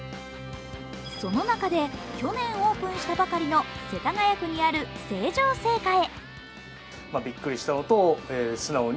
その中で去年オープンしたばかりの世田谷区にある成城青果へ。